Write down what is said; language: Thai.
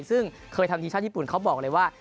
ซึ่งเคยทำทีมชาติญี่ปุ่นเขาบอกเลยว่า